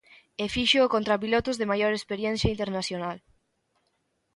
E fíxoo contra pilotos de maior experiencia internacional.